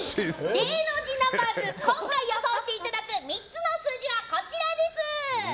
芸能人ナンバーズ今回予想していただく３つの数字は、こちらです。